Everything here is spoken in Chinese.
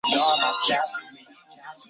具体参见醛基与羧基。